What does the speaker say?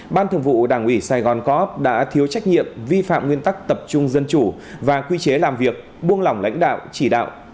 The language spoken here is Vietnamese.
ban thường vụ đảng ủy sài gòn co op đã thiếu trách nhiệm vi phạm nguyên tắc tập trung dân chủ và quy chế làm việc buông lỏng lãnh đạo chỉ đạo